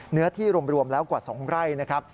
เนื้อที่รวมแล้วกว่า๒ไร่นะครับ